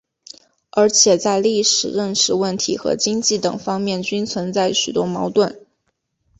而且在历史认识问题和经济等方面均存在许多矛盾。